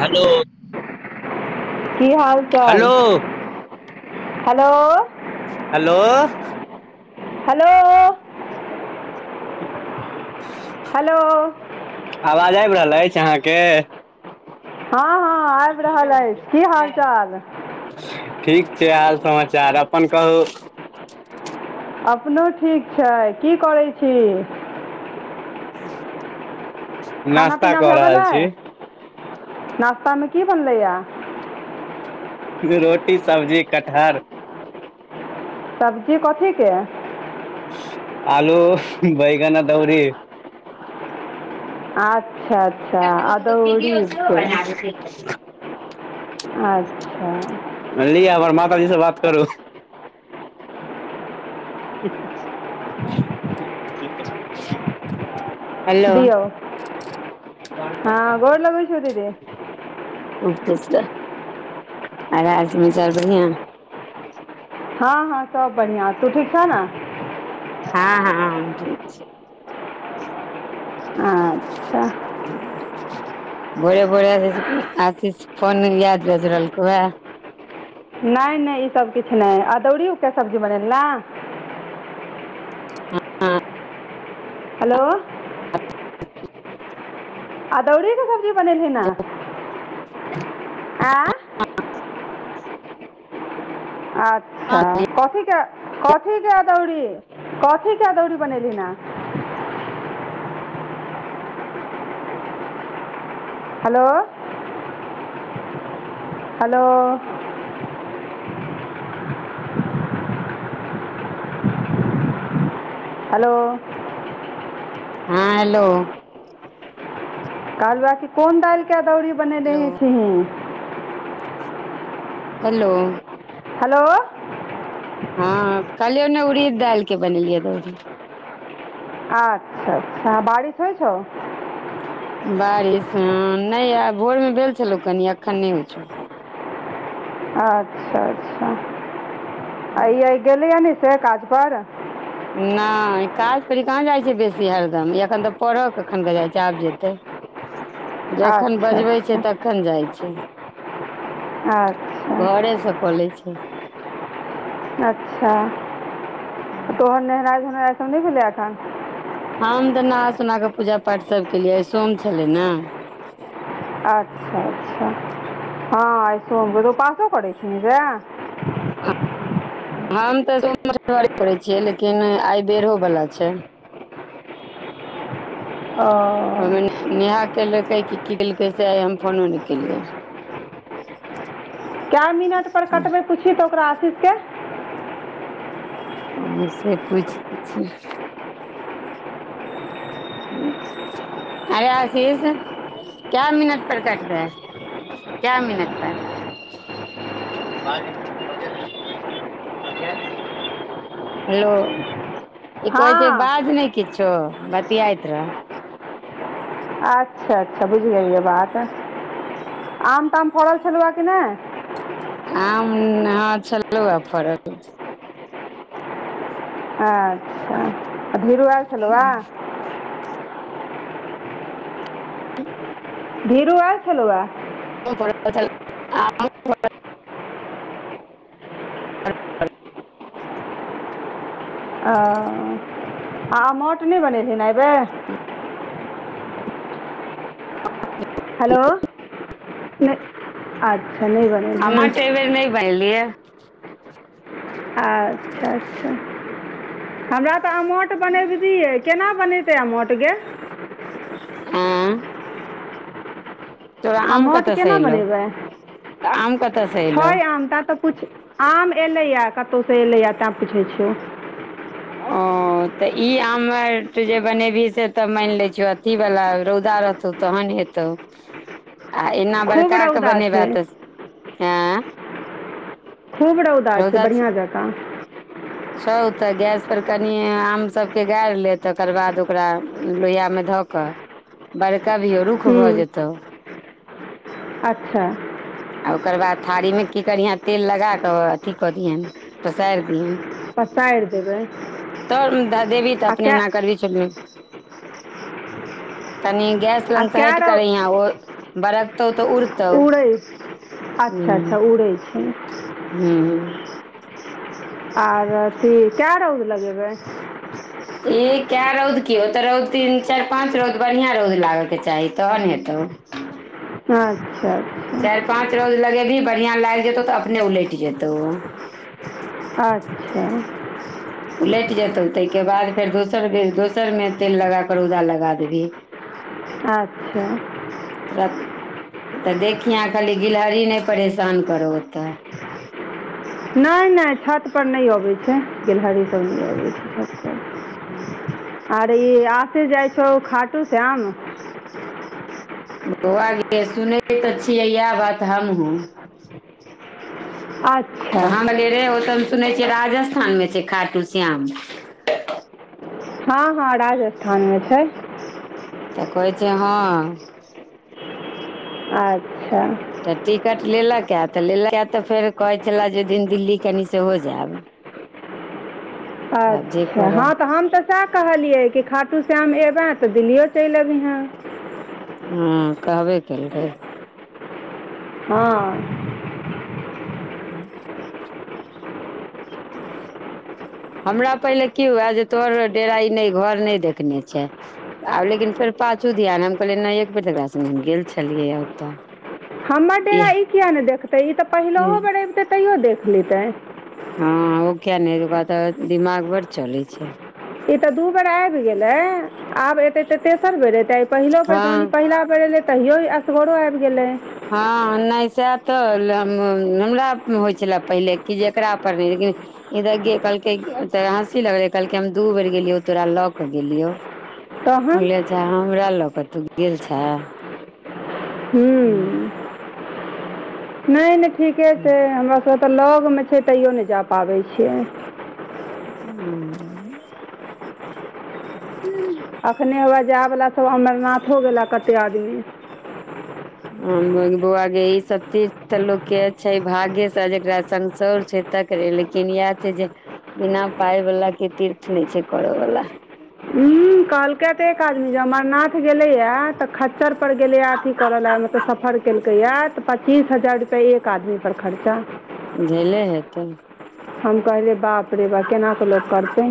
Hello की हाल hello चाल हेलो हेलो हेलो ह हेलो आवाज आबि रहल अछि अहाँके हँ हँ आबि रहल अछि की हाल चाल ठीक छै हाल समाचार अपन कहू अपनो ठीक छै की करैत छी नास्ता कऽ रहल छी नाश्ता मे की बनलैया रोटी सब्जी कटहर सब्जी कथीके आलू बैगना आदौरीी अच्छा अच्छा अद वीडियो सेहो उरीके [unintelligible] [unintelligible] हऽ लिय हमर माताजी स बात करू [unintelligible] हेलो दियौ हँ गोर लगै छौ दीदी [unintelligible] [unintelligible] हाल समाचार बढ़िया हँ हँ सब बढ़िया तू ठीक छ न हँ हँ हम ठीक छी अच्छा [unintelligible] भोरे भोरे [unintelligible] नै नै ई सब किछ नै अदौड़िये सब्जी बनैलिय न हँ हेलो [unintelligible] अदौरी कऽ सब्जी बनेलिआँ [unintelligible] [unintelligible] हँ अच्छा कथी कथी कऽ अदौड़ी कथी कऽ अदौड़ी बनेली हऽ हेलो हेलो हेलो हँ हेलो कहलुआ की कोन दाइल कऽ अदौरी हेलो बनेने छिही हेलो हेलो हँ कहलियौ न उड़ी दाइल कऽ बनेलियै अदौरी अच्छा [unintelligible] बारिश होइ छौ बारिश हऽ नै आ भोर में भेल छलौ कनि अखन नै होइ छौ अच्छा अच्छा [unintelligible] आ इ गेलै न से काज पर नै काज पर कहाँ जाइ छै बेसी हरदम एखन तऽ पढ़ह कखन जाइ छै आब जेतै [unintelligible] जखन बजबै छै तख अच्छा -खन जाइ छै अच्छा [inaudible] घरे से कऽ ले छै अच्छा [unintelligible] तोहर नेहेनाइ धोनाइ स नै भेलै एखन हम तऽ नहा सोना कऽ पूजा पाठ सब केलियै सोम छलै न अच्छा अच्छा हँ आइ सोम उपासो करै छी रे हम तऽ [unintelligible] करै छियै लेकिन आइ बेरो वला छै [unintelligible] ओहिमे [unintelligible] नेहा केलकै कि की केलकै से आइ हम फोनो नै केलियै [unintelligible] कए मिनट पर कटबै पूछि तऽ ओकरा आशीष केँ [unintelligible] से पूछ लै छियै [unintelligible] आशीष क्या मिनट पर कटतै कए मिनट पर [unintelligible] हेलो [inaudible] ई कहै छै हँ बाज नै किछो बतियाइत रह अच्छा अच्छा बुझ गेलिय बात [inaudible] आम ताम फड़ल छलै कि नै आम हँ छलौ आ फड़ल हूँ अच्छा धीरू आयल छलौ धीरु आयल छलौ आ आ ओ आमोट नहि बनेलही अय बेर हेलो नहि अच्छा नहि बनेलही आमाट अय बेेर नहि बनेलियै अच्छा अच्छा हमरा तऽ अमोट बनैबतियै केना बनेतै अमोट गे आँ तोरा आम अमोट कतऽसँ केना एलौ बनेबै तऽ आम कतऽसँ एलौ पुछ आम एलैए कतहुसँ एलैए तैँ पुछै छियौ ओ [inaudible] तऽ ई आम जे बनेबही से त मानि ले छियो अथी बाला रौदा रहथौ तहन हेतौ ह [inaudible] आ एना बड़काके बनेबा तऽ आँ खूब रौदा छै बढ़िआँ जकाँ छौ तऽ गैसपर कनि आमसभके गाड़ि ले तकर बाद ओकरा लोहियामे धऽ बड़काबियो रुख हूँ भऽ जेतौ अच्छा आ ओकर बाद थारी मे की करयहाँ तेल लगा कऽ अथी कऽ दियहनि पसारि दियनि पसारि देबै त दादे भी तऽ आ अपने कै अना करबीही त तनी गैस आ लगसँ कै हट क रौद रहिये बरकतौ तऽ उड़तौ उड़ैत अच्छा ह, अच्छा उड़ैत छै हू, आर अथी क‌ए रौद लगेबै। ए कए रौद की तऽ रौद तीन चारि पाँच रौद बढ़िआं रौद लागयके चाही तहन हेतौ, अच्छा अच्छा, पाँंच रौद लगेबही बढ़ियां लागि जेतौ तऽ अपने उलट जेतौ आच्छा उलटि जेतौ ताहिके बाद फेर दोसर बेर दोसरमे तेल लगा कऽ रौदा लगा देबही अच्छा त तऽ देखिह खाली गिलहरी नहि परेशान करौ ओतऽ नहि नहि छत पर नहि अबै छै गिलहारी सब नहि आबै छै छत पर आरे ई आसे जाइ छौ खाटू श्याम, बौआ गे सुनै तऽ छियै इएह बात हमहुं अच्छा तऽ हम एलियै रे ओतऽ सुनै छियै राजस्थानमे छै खाटु श्याम, हँ हँ राजस्थानमे छै। तऽ कहै छै हँ, आच्छा, तऽ टिकट लेलक ए तऽ लेलक तऽ फेर कहै छले जे दिन दिल्ली कनि सेहो जायब। तऽ आब जे आच्छा करए हँ तऽ हम तऽ, सएह कहलियै कि खाटू श्याम एबै तऽ दिल्लियो चलि अबीहेँ, हँ कहबे केलकै। हँ। [unintelligible] [inaudible] हमरा पहिले की हुए जे तोहर डेरा ई नय घर नय देखने छै, आब लेकिन फेर पाछू धियान हम कहलियै नय एक बेर तकरा संगे हम गेल छलियै ओतऽ। हमर डेरा इएह ईए नय देखतै ई तऽ पहिलहो बेर अबितै तैयो देख लेतै हँ ओ किया नय ओकरा तऽ दिमाग बड़ चलैत छै ई ते दू बेर आबि गेले आब एते ते तेसर बेर एते आ पहिलो बेर ज हँ पहिला पै तैयो असगरो आबि गेलै हँ नै सा तऽ हमरा होइ छलै पहिले कि जे एकरा परर नय लेकिन, इधर ग कहल हँसी लगले कहलक हम दू बेर गेलियो तोरा ल के गेलियो। तहन होले छ हमरा ल क तू गेल छह। [inaudible] नय नय ठीके छै हमरा सभके तऽ लग मे छै तैयो नय जा पाबै छियै। [unintelligible] अखने हए जायवला सब अमरनाथ हो गेला कते आदमी। बौआ गे ई सब तीज त लोक के छै भागे से जेकरा साँसोर छै तक रहे लेकिन इएह छै जे बिना पााय वला के तीर्थ नय छै करऽ बाला। हूँ कहलकै तऽ एक आदमी ज अमरनाथ गेले या तऽ खच्चर गेलैा अथी करऽ लए मतलब सफर केलकै ए तऽ पच्चीस हजारुआ तऽ एक आदमी पर खर्चा झेले हेतै। हम कहले बाप रे बा केना क लोकग करते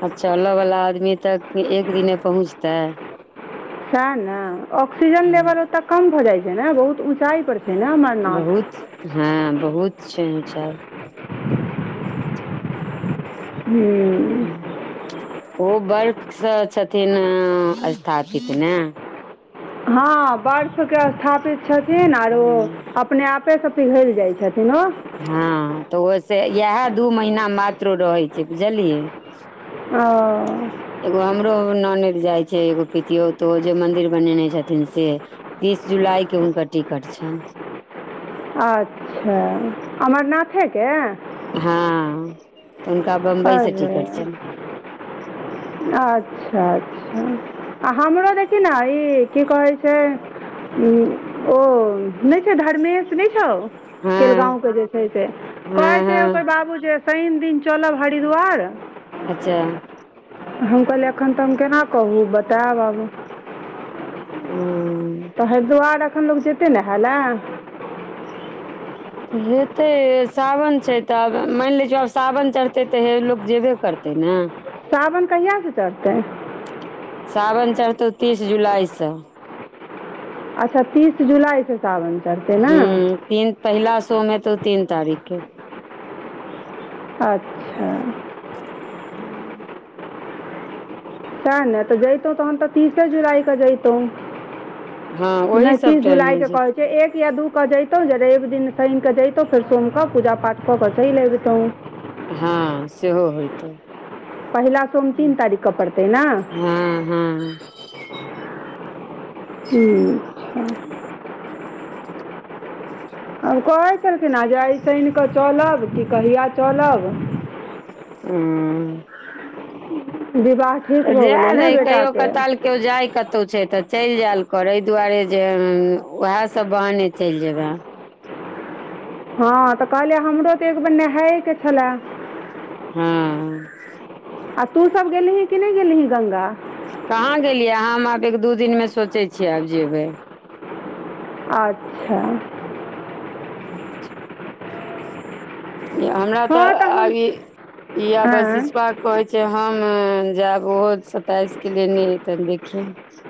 आछा चलवला आदमी तक एक दिने पहुँचतै सह ने ऑक्सीजन लेवल ओते कम भए जाय छै ने बहुत ऊचाई पर बहुत हँ बहुत छै चार हू। ओ बर्फ सँ छथिन स्थापित ने हँ बर्फ के स्थापित छथिन आरो उ अपने आपे सँ पिघल जाइ छथिन ह हँ तऽ ओहिसँ इएह दू महीना मात्रो रहै छै बुझलियै ओ एगो हमरो नानद जाइ छै एगो पितियो तो ओ जे मंदिर बनेने छथिन से तीस जुलाई के हुनकर टिकट छनि। अच्छा अमरनाथे के हँ तऽ हुनका बम्बई से अरे टिकट छन अच्छा अच्छा हमरा देखि न ई की कह छै से ओ नय छै धर्मेश नय छौ केल हँ गाँव के जेछै से हँ कहैत छै ओकर हँ बाबू जे शनि दिन चलब हरिद्वार। अच्छा। हम कहलियै एखन तऽ हम केना कहू बतायब आब हु तऽ हरिद्वार एखन लोक जेतै नाहाला हेतै सावन छै तऽब मानि ले छिय आब सावन चढ़तै तऽ हे लोक जेबे करतै, तै न साावन कहियास चढ़तै, सावन चढ़तौ तीस जुलाइसँ, अच्छा तीस जुलाइ स सावन चढ़तै न हूँ तीन पहिला सोमे एतौ तीन तारीखके अच्छा, [inaudible] त ने तऽ जतहु तहन तऽ तीसे जुलाई कऽ जइतहु, हँ ओही नहि सब तीस टाइम जुलाई मे के कहैत जेतै छै एक या दू, कऽ जैतहुँ ज रवि दिन शनिकऽ जैतहुँ फेर सोम कऽ पूजा पाठ कऽ कऽ चलि अबितहुँ, हँ सेहो होयइत पहिला सोम तीन तारीखक पड़तै न हू हू, हू। हँ। हम कहैत छलखिन हेँ जे एहि शनि कऽ चलब कि कहिया चलब। ह विवाह ठीक तऽ भऽ गेलै जाए ने दही कहियो बेटाके कताल। केओ जाय कतहु छै तऽ चलि जायल कर एहि दुआरे जे उएह सब बहने चलि जेबै। हँ तऽ कहलियै हमरो तऽ एक बेर नहाएएके छलए। हँ, आ तू सब गेलही कि नहि गेलही गंगा। कहाँ गेलियै हम आब एक दू दिनमे सोचै छियै आब जेबै। अच्छा। छा, हमरा तऽ हँ हम आब ई आँय आशिषबा कहै छै हम जायब ओहो सताइस के लेने हय तऽ देखबिही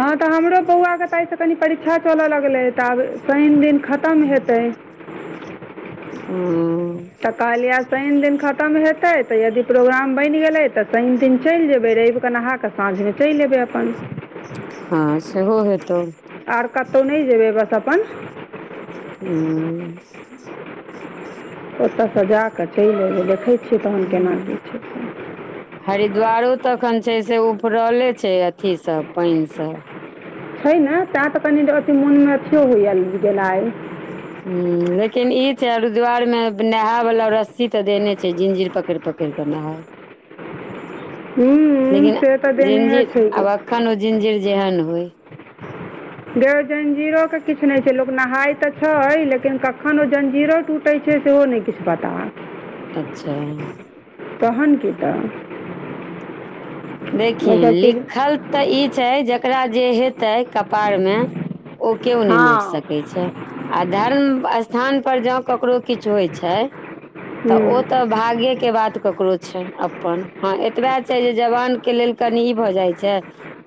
हँ तऽ हमरो बौआके तऽ एहिसँ कनि परीक्षा चलऽ लगलै तऽ आब शनि दिन खत्म हेतै। ह। तऽ कहलियै शनि दिन खत्म हेतै तऽ यदि प्रोग्राम बनि गेलै तऽ शनि दिन चलि जेबै रवि क नहा ऽ साँझमे चलि एबै अपन। हँ सेहो हेतौ। आर कतहु नहि जेबै बस अपन ह ओतऽसँ जा कऽ चलि अयबै देखै छियै तहन केना की छै हरिद्वारो तऽ अखन छै से उफरले छै अथी सब पानि सब छै ने तैं तऽ कनि अथि मोन मे अथियो होइया गेला ह लेकिन ई छै हरिद्वार मे नहाय वला रस्सी तऽ देने छै जिंजिर पकड़ि पकड़ि क नहाय हू से तऽ देने छै, अखन ओ जिंजर जेहन होइ, ग जंजीरो के किछ नहि छै लोग नहाय तऽ छै लेकिन कखन ओ जंजीरो टूट। छै सेहो नहि किछ पता अच्छा। तहन की तऽ, देखि ओ सब चीज लिखल तऽ ई छै जकरा जे हेतै कपार में। ओ केओ नै मेट हँ सकै छै। आ धर्म स्थान पर जाउ ककरो किछ होइ छै [inaudible] तऽ हूँ ओ तऽ भागे केँ बात ककरो छै अपन हऽ एतबे छै जवान केँ लेल कनि ई भऽ जाइ छै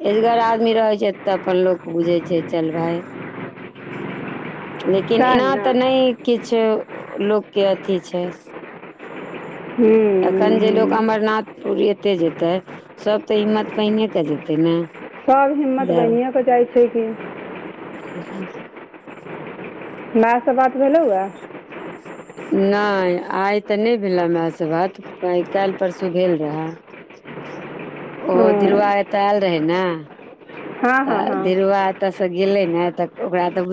एजगर आदमी रहै छै तऽ अपन लोक बुझै छै चल भाय [unintelligible] लेकिन एना सएह ने तऽ नै किछ लोक केँ अथी छै हूँ अखन जे हूँ लोक हूँ अमरनाथ तूर एते जेतै सब तऽ हिम्मत बहिने कऽ जेतै ने सब हिम्मत जायब बाहिनियै कऽ जाइ छै कि [unintelligible] माय स बात भेलौए नै आइ तऽ नै भेला माय से बात तै काइल परसू भेल रहय ओहो हँ धिरबा ए तऽ ऐल रहै न हँ हँ तऽ हँ धिरवा ए तऽ से गेले ने तऽ ओकरा तऽ बु